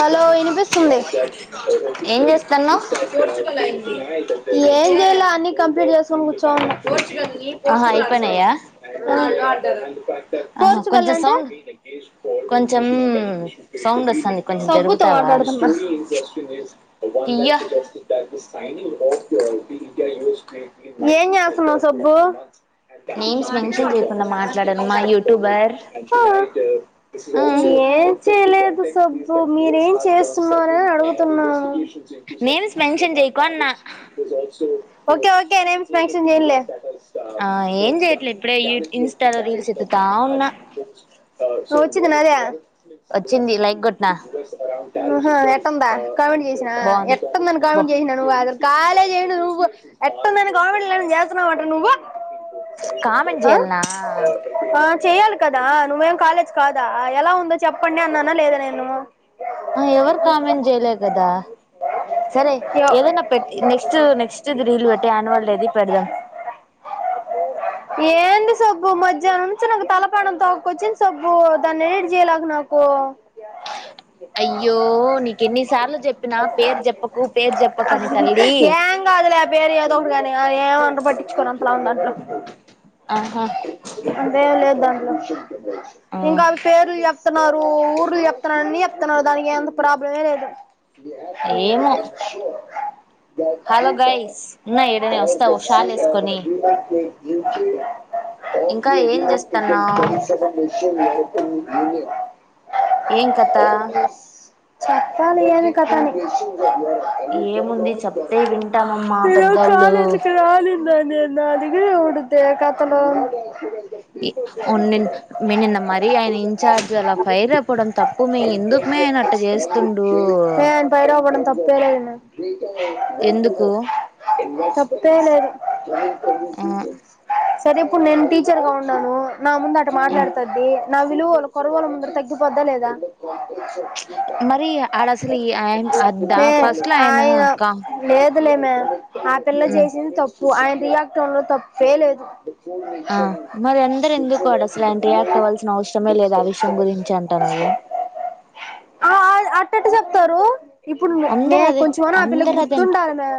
Hello వినిపిస్తుంది ఏం చేస్తాన్నావ్ ఏం చేయలా అన్ని కంప్లీట్ చేసుకొని కూర్చోనోన్న ఆహా అయిపోయినాయా ఆ [unintelligible] ఆహా పోర్చుగల్ కొంచెం అంటే సౌండ్ కొంచెం సౌండ్ వస్తుంది కొంచెం సబుతో జరుగుతావా మాట్లాడుతున్న ఇయ్యా ఏం చేస్తన్నావ్ సబ్బు నేమ్స్ మెన్షన్ చేయకుండా మాట్లాడను మా యూట్యూబర్ ఆ ఏ చేయలేదు సబ్బు మీరేం చేస్ మరి అడుగుతున్నా నేమ్స్ మెన్షన్ చేయకు అన్నా ఓకే ఓకే నేమ్స్ ఆ ఏం చేయట్లే ఇప్పుడే యూ ఇన్స్టాలో రీల్స్ ఎత్తుతా ఉన్నా వచ్చిదిన్నారయ వచ్చింది లైక్ కొట్టినా హ్మ్ హ ఎటుంది కామెంట్ చేసినా బాగుంది ఎటుంది అని బో కామెంట్ చేసినా నువ్వు [unintelligible] కాలేజ్ చేసింది నువ్వు ఎటుంది అని కామెంట్ చేస్తున్నావ్ అంట నువ్వు కామెంట్ జయల్నా చెయాలి కదా నువ్వేం కాలేజ్ కాదా ఎలా ఉండచ్ చెప్పండి అన్నానా లేదా నేను ఎవరు కామెంట్ చేయలే కదా సరే యో ఏదనా పెట్ నెక్స్ట్ నెక్స్ట్ది రీల్ పెట్టి యాన్యువల్ డేది పెడదాం సుబ్బు మధ్యాహ్నం నుంచి తలపానం తోపుకొచ్చింది సుబ్బు దాన్నేం ఎటి చేయలేక నాకు అయ్యో నీకెన్నిసార్లు చెప్పినా పేరు చెప్పకు పేరు చెప్పకని తల్లి ఎం కాదులే అభి ఏదో ఒకటి గాని ఏం పట్టించుకోరు అంత [inaudible] ఆహా ఆ [unintelligible] ఇంకా పేర్లు చెప్పు చెప్తున్నారు ఊర్లు చెప్తున్నారు అని చెప్తున్నారు దానికి ఎంత ప్రాబ్లమే లేదు బ ఏమో ఎసో హలో గైస్ ఉన్నా ఈడనే వస్తా ఒషాల వేసుకొని ఇంకా ఏం ఈంచి చేస్తన్నావ్ చ ఏం కథ కాలు ఏమి కథా అని ఏముంది చెప్తే వింటామమ్మా ఏద పెద్దోళ్ళు కాాలేజకి రాలేది అని అడిగి అడుగు ఏ కథలు ఓనిన్ మెనీ నమరి అయిని [inaudible] చార్జ్ అలా ఫైర్ అయిపోవడం తప్పు మే ఎందుకు మే అయినా అట్ట చేస్తుండు అే ఎందుకు చెప్తే ఈనారు ఏ ఆ క సరే ఇప్పుడు నేను టీచర్ గా ఉన్నాము నా ముందట ఆ మాట్లాడుతదిబే నా విలువ కొరవాల ముందర తగ్గిపోద్దా లేదా మరి ఆడ అసలు ఈ హే ఫస్ట్ లో ఆయ ఆయన లేదు వద్దులేమే ఆ పిల్ల ఉమ్ చేసింది తప్పు ఆయన రియాక్ట్ అవడంలో తప్పే లేదు ఆ మరి అందరు ఎందుకు అడ అసలు ఆయన రియాక్ట్ అవ్ల్సిన అవసరమే లేదు ఆ విషయం గురించి అంటున్నారు త్తరు అందరు అదే అందరు అదే అంట ఉండాలి మే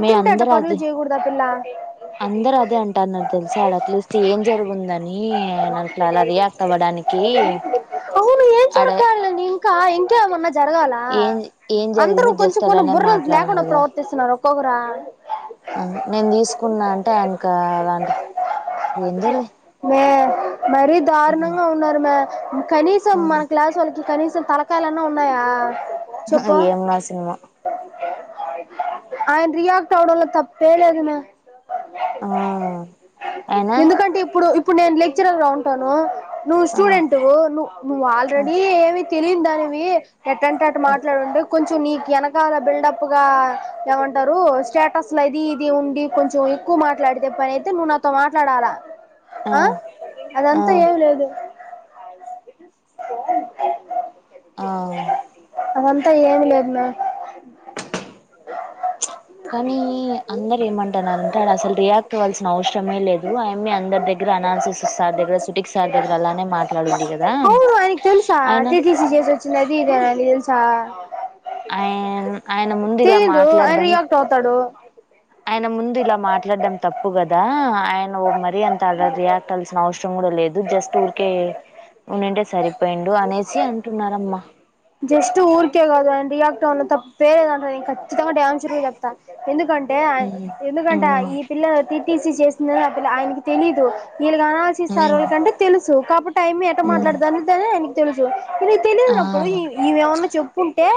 మే ఉంటే అట్ట అందరు పనులు అదే చేయకూడదు ఆ పిల్ల అందరు అదే అంటాన్నారు తెలుసాడు అట్లీస్ట్ ఏం జరుగుందని నట్ అలా రియాక్ట్ అవ్వడానికి అవును ఏం ఆడ జర కళనని ఇంకా ఇ ఇంకేమన్నా జరగాల ఏం ఏం అందరూ జరిగింది కొంచెం జస్ట్ కొన అలానే బుర్రలు మాట్లాడినా లేకుండా కదా ప్రవర్తిస్తున్నారు పొగురా ఆ నేను తీసుకున్నా అంటే ఆయనక అలాంటి ఎందో లే మరి దార్నం గా ఉన్నారు మే కనీసం మన క్లాస్ వాళ్ళకి కనీసం తలకాయలన్న ఉన్నాయా ఏం నా సినిమా ఆయన్ రియాక్ట్ అవడంలో తప్పే లే మే ఆ అయినా ఎందుకంటే ఇప్పుడుప్పు ఇప్ ఇప్పుడు నేను లెక్చరర్గా ఉంటాను నువ్వు ఆ స్టూడెంట్ వు ను నువ్వు ఆల్రెడీ ఏమి తెలియందానివి ఎట్టంటే అటు మాట్లాడుండే కొంచెం నీకు వెనకాల బిల్డప్ గా ఏమంటారు స్టేటస్ అది ఇది ఉండి కొంచెం ఎక్కువ మాట్లాడితే పనయితే నువ్వు నాతో మాట్లాడాల ఆ అదంతా ఆ ఏమి లేదు ఆ అదంతా ఏం లేదు మే కానీ అందరేమంటన్నారంటే ఆడ అసల్ రియాక్ట్ అవ్వాల్సిన అవ్సరమే లేదు ఆయమ్మె అందరి దగ్గర అనాలసిస్ సార్ దెగ్ర సుబిక్ సార్ దెగ్ర అవ్ను ఆయ్నక్ తెల్సా ఆయన అత్య తిసి చేసొచ్చిందని అది ఇది అని తా ఆయ్ ఆయన ముందిలా ఆయన మాట్లాడడం రియాక్ట్ [inaudible] ఆయన ముందు ఇలా మాట్లాడ్డం తప్పు కదా ఆయన ఒ మరీ అంత అడ రియాక్ట్ అల్సిన అవ్సరం కూడ లేద్ జస్ట్ ఊర్కే ఉండ్ టె సరిపొయిండు అనేసి అంటున్నారమ్మ ఉ జస్ట్ ఊరికే కదా అండి రియాక్ట్ అవడంలో తప్పే కదాండి చితంగా ఆన్సర్ చెప్తా ఎందుకంటే ఉమ్ ఎందుకంటే ఉమ్ ఈ పిల్ల తి తీసి చేస్తుందని ఆ పిల్ల ఆయనకి తెలీదు వీళ్ళు కానాల్సిస్తారు ఉమ్ విళ్ళకంటే తెలుసు కాబట్టి ఆ యమ్మి ఎట్ట ఉమ్ మాట్లాడతదని యే తెలుసు అరే ఆ తెలీద్రా ఇప్పుడు ఇవేమన్నా చెప్పుంటే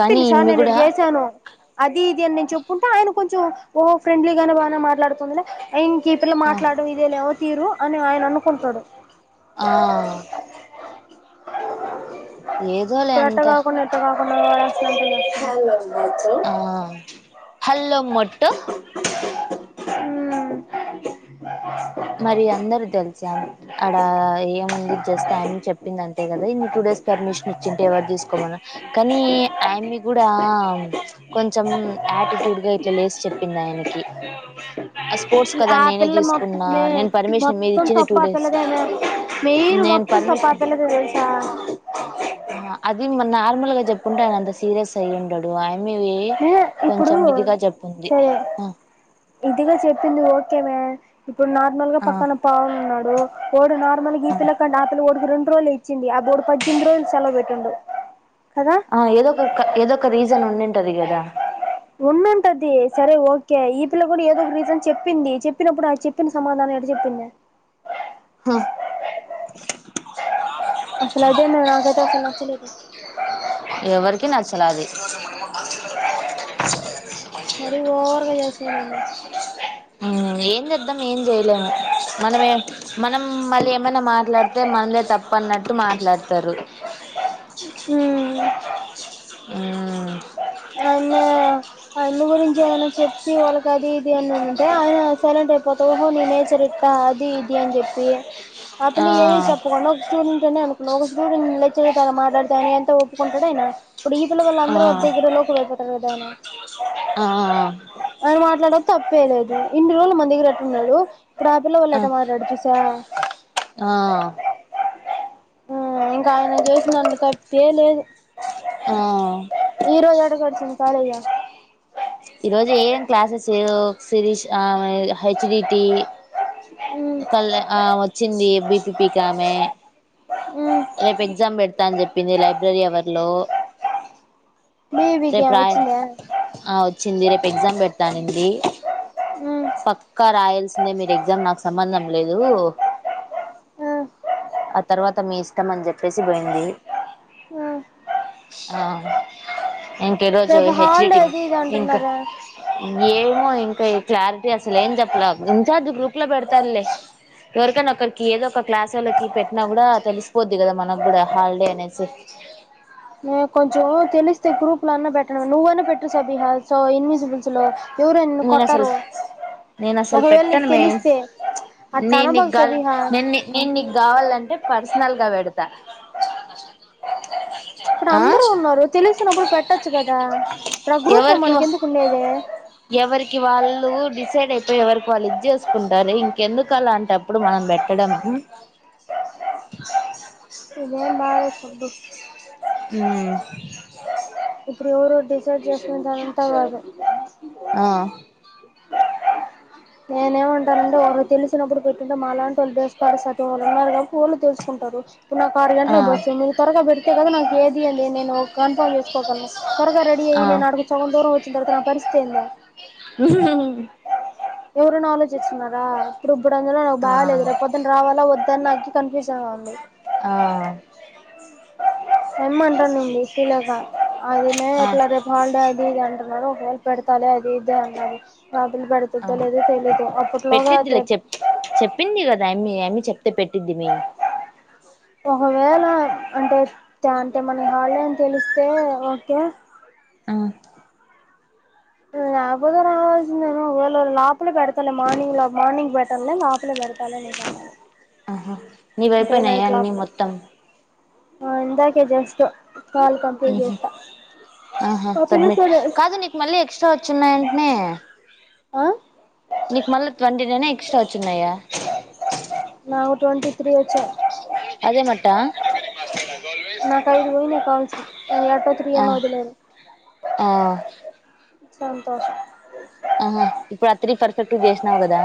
కానీ సార్ ఈమె నేను ఇట్టా కూడా చేశాను అది ఇది అని నేను చెప్పుంటే ఆయన కొంచెం ఓ ఫ్రెండ్లీ గానే బానే మాట్లాడుతుందని ఇంగ్ ఈ పిల్ల ఆ మాట్లాడం ఇదే లేమో తీరు అని ఆయన అనుకుంటాడు [inaudible] ఆ ఏదోలే ఎట్ట అంతా కాకుండ ఎట్ట కాకుండ [unintelligible] ఆ హల్లో మోటో ఊ మరి అందరూ తెలుసా అడా ఏముంది జస్ట్ అయమ్మి చెప్పింది అంతే కదా ఇన్ని టూ డేస్ పర్మిషన్ ఇచ్చింటే ఎవర్ తీస్కోమను కానీ ఆయమ్మి కూడా కొంచెం యాటిట్యూడ్ గ ఇట్ల లేసి చెప్పిందాయనకి ఆ స్పోర్ట్స్ కదా ఆ నేనే పిల్ల మొత్త తీసుకుం మే మొత్తం తప్పు ఆ పిల్లదే మెయిన్ మొత్తం తప్పు ఆ పిల్లదే తెల్సా ఆ అది నార్మల్గా అయి చెప్పుంటే ఆయనంత సీరియస్ అయి ఉండడు ఆయన హే ఇప్పుడూ చెప్పుంది సరే ఆ ఇదిగా చెప్పింది ఓకే మే ఇప్పుడు నార్మల్ గా ఆ పక్కన పవన్ ఉన్నాడు వాడు నార్మల్ గా ఈ పిల్ల కంటే ఆ పిల్ల రెండు రోజులు ఇచ్చింది ఆ బోడు పద్దెనిమిది రోజులు సెలవు పెట్టిండు కదా ఆ ఏదో ఒక ఏదో ఒక రీ జన్ ఉండింటది కదా ఉండుంటది సరే ఓకే ఈ పిల్ల కూడా ఏదో ఒక రీజన్ చెప్పింది చెప్పినప్పుడు ఆ చెప్పిన సమాధానం ఎట చెప్పింది [unintelligible] అసలు అదేందే నాకైతే అస్సలు నచ్చలేదు లాది మరి ఓ చేసినారులే ఏం చేద్దాం ఏం చేయలేము మనమే మనం మళ్ళీ ఏమైనా మాట్లాడితే మనదే తప్పు అన్నట్టు మాట్లాడతారు [inaudible] ఉ అమ్మ ఆ అమ్మ గురించి ఏదైనా చెప్పి వాళ్ళకి అది ఇది అని అంటే ఆయన సైలెంట్ అయిపోతా ఓహో నీ నేచర్ అది ఇది అని చెప్పి ఆ పిల్ల ఏమి చెప్పకుండా ఒక స్టూడెంట్ అని అనుకున్నా ఒక స్టూడెంట్ నీతో మాట్లాడతాయని ఎంతా ఒప్పుకుంటాడు. ఇనడు ఇప్పుడు ఈ పల్ల వాల్లు ఆ అందరు నీ దగ్గర లోకువ అయిపోతారు కదాయన ఆ ఆయన మాట్లాడము తప్పేలేదు. ఇన్ని రోజులు మన దగ్గిర ఉన్నడు. ఇప్పుడు ఆ పిల్ల వాళ్ళట మాట్లాడు చూసావా. ఆ ఆ ఇంకా ఆయన చేసిందాంట్లో తప్పే లేదు. ఆ ఈరోజు ఎడ కల్సి సాలే ఇగ ఈ రోజు ఏం క్లాసెస్ చేయ శిరీష్ ఆ హెచ్డిటి క అమ వచ్చింది బీపీపీకామె. ఉ రేపు ఎగ్జామ్ పెడతా అని చెప్పింది లైబ్రరీ ఎవర్లో, బీబీకి రేపు ఏం రాయ వచ్చిందా ఆ వచ్చింది రేపు ఎగ్జామ్ పెడతా అనింది. పక్క రాయల్స్ మీరు ఎగ్జామ్ నాకు సంబంధం లేదు. ఆ తర్వాత మీ ఇష్టం అని చెప్పేసి పోయింది. ఇంక ఈరోజు రేపు హాలిడే హెచ్డిటి అది ఇది ఇంకా అంటున్నారా ఏమో ఇంకా కలార్ [unintelligible] అసలు ఏం చెప్పలే ఇన్ఛార్జ్ గ్రూప్ లో పెడతారులే ఎవరికైనా ఒకరికి ఏదో ఒక క్లాస్ వాళ్ళకి పెట్టినా కూడా తెలిసిపోద్ది. కదా మనకు కూడా హాలిడే అనేసి హా కొంచెం తెలిస్తే గ్రూప్ లన్న పెట్టడం నువ్వన్న పెట్టు సబిహా సో ఎన్నిపుల్సులు ఎవరు నిన్ను నేను అసలు కొట్టరు నేను అసలు ఒకవేళ నీకు పెట్టను మే తెలిస్తే అట్ట నేను నీకు అనబాకు గా సబిహ. నేను నేను నీకు కావాలంటే పర్సనల్ గా పెడతా. ఇక్కడ ఆ అందరు ఉన్నారు తెలుసు. నప్పుడు పెట్టొచ్చు కదా ఇప్పుడు ఆ గ్రూప్ మనకి ఎవరికి ఎందుకు ఉండేది. ఎవరికి వాళ్ళు డిసైడ్ అయిపోయి ఎవరికి వాళ్ళు ఇది చేసుకుంటారు. ఇంకెందుకు అలా అంటప్పుడు మనం పెట్టడం హాయ్ సుబ్బు ఉం ఇప్పుడు ఎవరో డిసైడ్ చేసుకుంటారుంతా కాదు. ఆ నేనేమంటానంటే వాలు తెలిసినప్పుడు పెట్టింటే మాలాంటి వాళ్ళు వేసురు సత వాళ్ళు ఉన్నారు కదా ఫోన్లు చేసుకుంటారు. ఇప్పుడు నాకు ఆర్ ఆ గంటలకు బసు మీరు త్వరగా పెట్టి కదా నాకు క ఏదింది అ నేను కన్ఫ కోగలను త్వరగా రెడ ఆ అయి నేనుడు సగం దూరం వచ్చిన తర్త నా పరిస్థితి ఏందంది. ఉహు హు ఎవరునా ఆలోచిస్తున్నారా. ఇప్పుడు అందులో నాకు ఆ బాగాలేదు రేపు పొద్దున రావాలా దా నా కన్ఫ్యూజన్ గా ఉంది ఆ ఏమంటా న లేక అది మే ఆ ఎట్లా రేపు హాడే అది ఇదింట ఎ హయల్పడతాలి అది ఇది అన్నది బబులు ఆ పెడుతుందో లేదో తెలియదు అప్పట్లోగా పెట్టిద్దిలే చెప్ చెప్పింది కదా అమ్మి అమ్ చెప్తే పెట్టిది మీ ఒకవేళ అంటే అంటే మనకి హ అని తెలిస్తే ఓకే ఆ నాకపోతే రావాల్సిందేను ఒకవేళ లోపలే పెడతాలి మార్నింగ్ లో మార్నింగ్ పెట్టాలలే లోపలే పెడతాలికన్నా ఆహా నీ వైపోయినాయయా అన్నీ మొత్తం ఆ ఇందా కేజి అస్తటు హ ఆహా ఆ పిల్ల సబ్మిట్ సరే కాదు నీకు మళ్ళీ ఎక్స్ట్రా వచ్చిన్నాయింటనే ఆ నీకు మళ్ళ ట్వంటీ నైన్ ఎక్స్ట్రా వచ్చిన్నాయా నాకు ట్వంటీ త్రీ నాకు ఐదు పోయి నా కావల్స అది ఏటో త్రీ ఆ అని వదిలేదు ఆ సంతోషం ఆహా ఇప్పుడు అత్ర పర్ఫెక్ట్ చేసినావు కదా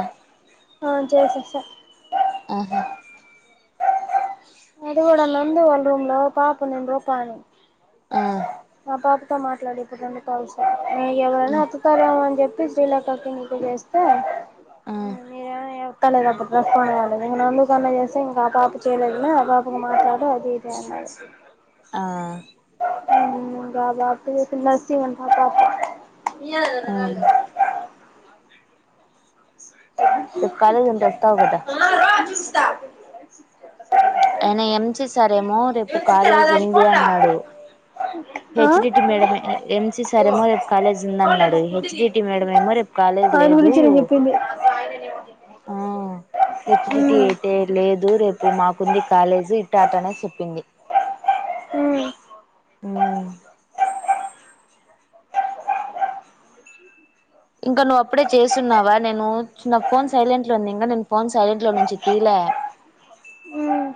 ఆ జయ శస ఆహా అది కూడాడలంది వాల్ రూమ్ లో పాప నుెం రూపాని ఆ త మాట్లాడేపోట కావస ఎవరైనా ఆ అతుతల అని చెప్పి ప్ప చేలేకక్కకి ఇకు చేస్తే మీరు ఏమనాతలేదు అప్పుడు రెస్పాండ్ అవ్వాలలేదు ఇంక అందువుకన్నా చేస్తే ఇంకా ఆపప చేయలేదుిన బాబు మాట్లాడ అది ఇదే అనా ఆ బబాపు నర్సిహంటపాపు ఏ ఆ కాలేజ ఉంత వస్తస్తావుదా చూ అయిన ఎంస సార్ ఏమో రేపు కాలేజ్ ఉంది అన్నాడు ఆ హెచ్డిటి మేడ ఎంస సార్మో రేపు కాలేజ్ ఉంది అన్నాడు హెచ్డటి మేడ ఏమో రేపు కాలేజ్ ఆయన లేదు గురించి నేను చెప్పింది ఆ హెచ్డిటి మ్మ్ అయితే లేదు రేపు మాకుంది కాలేజీ ఇట అనే చెప్పింది మ్మ్ ఇంకా నువ్వు అప్పుడే చేస్తున్నావా నేను నా ఫోన్ సైలెంట్ లో ఉంది ఇంకా నేను ఫోన్ సైలెంట్ లో నుంచి తీలే మ్మ్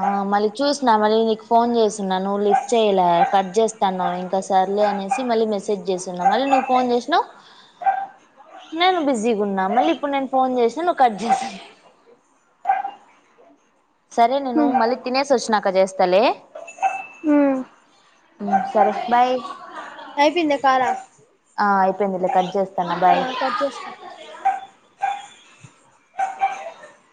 ఆ మళ్ళీ చూసిన మళ్ళీ నీకు ఫోన్ చేస్తున్నా నువ్వు లిఫ్ట్ చేయలే కట్ చేస్తా నువ్ ఇంకా సర్లే అనేసి మళ్ళీ మెసేజ్ చేస్తున్నా మళ్ళీ నువ్వు ఫోన్ చేసినవు నేను బిజీగా ఉన్నా మళ్ళీ ఇప్పుడు నేను ఫోన్ చేసినా నువ్వు కట్ చేసా సరే నేను మ్మ్ మళ్ళీ తినేస్ వచ్చినాక చేస్తాలే మ్మ్ ఉమ్ సరే బాయ్ అయి పింద కాలా ఆ అయిపెంది కట్ చేస్ హా కట్ చేస్ కో